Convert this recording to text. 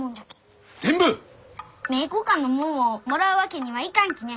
名教館のもんをもらうわけにはいかんきね。